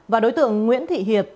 và đối tượng nguyễn thị hiệp